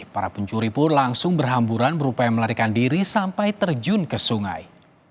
para pencuri pun langsung berhamburan berupaya melarikan diri sampai terjun ke sungai